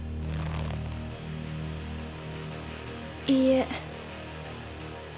いいえ。